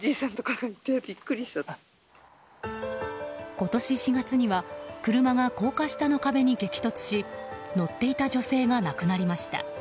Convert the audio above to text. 今年４月には車が高架下の壁に激突し乗っていた女性が亡くなりました。